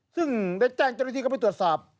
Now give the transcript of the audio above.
ซึ่งได้แจ้งจริงที่ก็ไปตรวจสอบ